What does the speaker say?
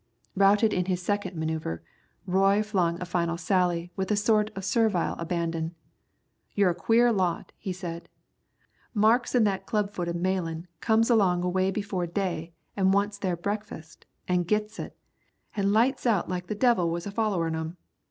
'" Routed in his second man[oe]uvre, Roy flung a final sally with a sort of servile abandon. "You're a queer lot," he said. "Marks an' that club footed Malan comes along away before day an' wants their breakfast, an' gits it, an' lights out like the devil was a follerin' 'em.